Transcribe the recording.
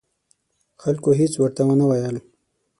خلکو هېڅ ورته ونه ویل.